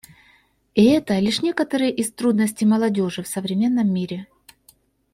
И это — лишь некоторые из трудностей молодежи в современном мире.